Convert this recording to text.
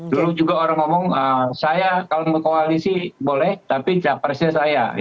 dulu juga orang ngomong saya kalau mau koalisi boleh tapi capresnya saya